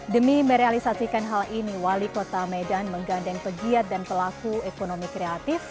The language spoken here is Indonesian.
demi merealisasikan hal ini wali kota medan menggandeng pegiat dan pelaku ekonomi kreatif